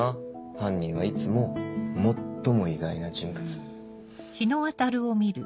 犯人はいつも最も意外な人物。